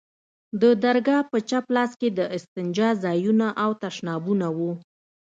د درگاه په چپ لاس کښې د استنجا ځايونه او تشنابونه وو.